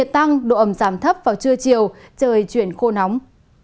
trạng thái không mưa ngày nắng nhiều nhiệt tăng độ ẩm giảm thấp vào trưa chiều trời chuyển khô nóng